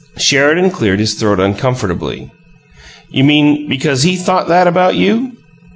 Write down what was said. Sheridan cleared his throat uncomfortably. "You mean because he thought that about you?"